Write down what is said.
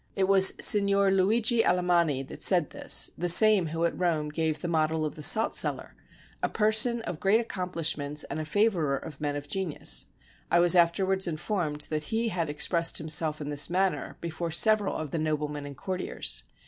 It was Signor Luigi Alamanni that said this, the same who at Rome gave the model of the salt cellar, a person of great accomplishments and a favorer of men of genius. I was afterwards informed that he had ex pressed himself in this manner before several of the noblemen and courtiers.